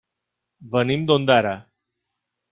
Venim d'Ondara.